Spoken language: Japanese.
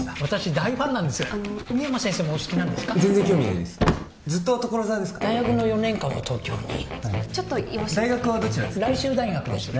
大学の４年間は東京にちょっとよろしいですか？